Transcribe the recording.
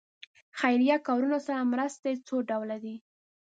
خیریه کارونو سره مرستې څو ډوله دي.